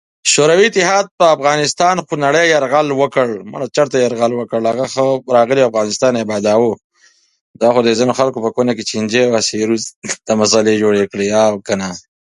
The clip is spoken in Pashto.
شوروي اتحاد پر افغانستان خونړې یرغل وکړ.